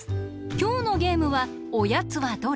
きょうのゲームは「おやつはどれ？」。